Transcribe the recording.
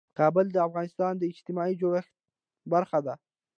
کابل د افغانستان د اجتماعي جوړښت برخه ده.